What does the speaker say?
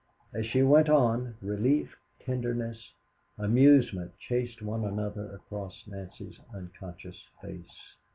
As she went on, relief, tenderness, amusement chased one another across Nancy's unconscious face.